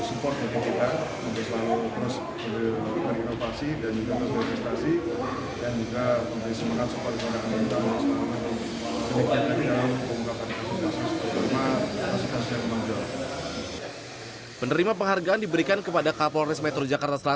ini memberikan semangat dan juga support dari kita untuk selalu terus berinovasi dan juga berprestasi